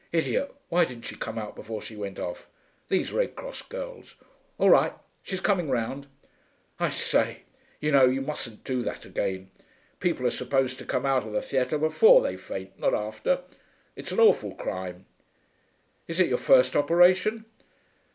'Idiot, why didn't she come out before she went off? These Red Cross girls All right, she 's coming round.... I say, you know, you mustn't do that again. People are supposed to come out of the theatre before they faint, not after. It's an awful crime.... Is it your first operation?